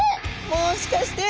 もしかして。